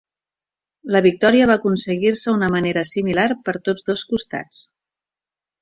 La victòria va aconseguir-se una manera similar per tots dos costats.